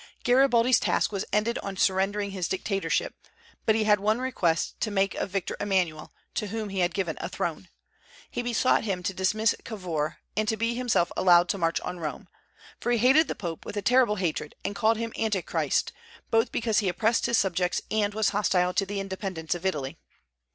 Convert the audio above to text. Garibaldi's task was ended on surrendering his dictatorship; but he had one request to make of Victor Emmanuel, to whom he had given a throne. He besought him to dismiss Cavour, and to be himself allowed to march on Rome, for he hated the Pope with terrible hatred, and called him Antichrist, both because he oppressed his subjects and was hostile to the independence of Italy.